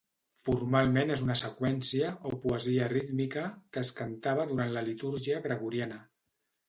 Formalment és una seqüència, o poesia rítmica, que es cantava durant la litúrgia gregoriana.